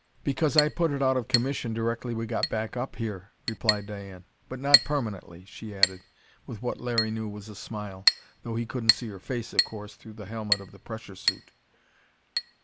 "Because I put it out of commission, directly we got back up here," replied Diane. "But not permanently!" she added, with what Larry knew was a smile, though he couldn't see her face, of course, through the helmet of her pressure suit.